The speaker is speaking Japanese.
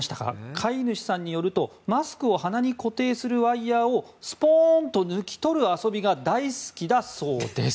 飼い主さんによるとマスクを鼻に固定するワイヤをすぽーんと抜き取る遊びが大好きだそうです。